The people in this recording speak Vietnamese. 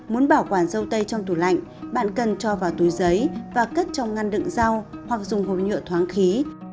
muốn bảo quản dâu tây trong tủ lạnh bạn cần cho vào túi giấy và cất trong ngăn đựng rau hoặc dùng hồn nhựa thoáng khí